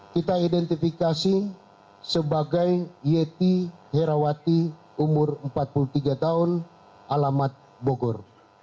kita identifikasi sebagai yeti herawati umur empat puluh tiga tahun alamat bogor